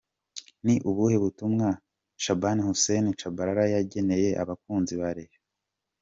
Ni ubuhe butumwa Shaban Hussein Tchabalala yageneye abakunzi ba Rayon Sports?.